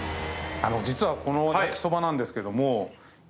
実はこの焼そばなんですけども。